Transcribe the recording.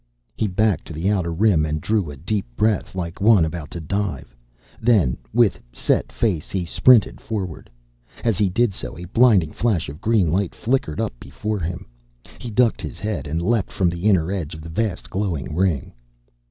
He backed to the outer rim and drew a deep breath, like one about to dive. Then, with set face, he sprinted forward. As he did so a blinding flash of green light flickered up before him. He ducked his head and leapt from the inner edge of the vast glowing ring.